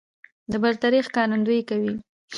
د برترۍ ښکارندويي کوي